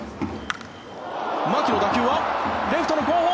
牧の打球はレフトの後方！